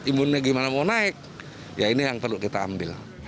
imunnya gimana mau naik ya ini yang perlu kita ambil